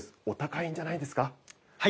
お高いんじゃないですか。